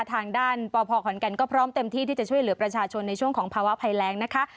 ทางด้านปพขอนแก่นก็พร้อมเต็มที่ที่จะช่วยเหลือประชาชนในช่วงของภาวะภัยแรงนะคะ